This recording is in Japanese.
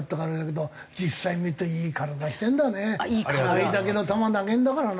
あれだけの球投げるんだからな。